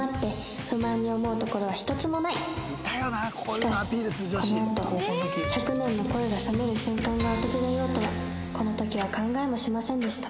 しかしこのあと１００年の恋が冷める瞬間が訪れようとはこの時は考えもしませんでした